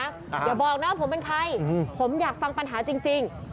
อย่าบอกนะว่าผมเป็นใครผมอยากฟังปัญหาจริง